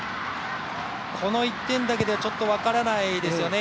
この１点だけではちょっと分からないですよね。